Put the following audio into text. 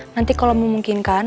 nanti kalau memungkinkan